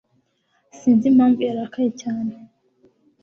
Sinzi impamvu yarakaye cyane